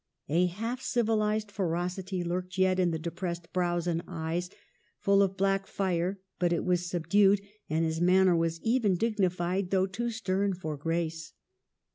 "A half civilized ferocity lurked yet in the depressed brows and eyes, full of black fire, but it was subdued ; and his manner was even dignified, though too stern for grace."